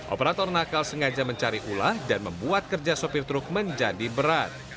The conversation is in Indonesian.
operator nakal sengaja mencari ulah dan membuat kerja sopir truk menjadi berat